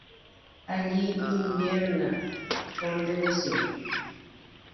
Ro'y con devoción upépe.